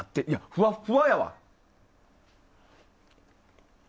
ふわっふわやわ。